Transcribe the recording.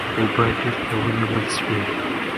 اوبه بېرته ونیول سوې.